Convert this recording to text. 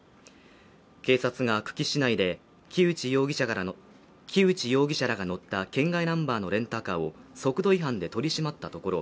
警察が久喜市内で木内容疑者らが乗った県外ナンバーのレンタカーを速度違反で取り締まったところ